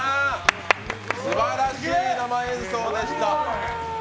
すばらしい生演奏でした。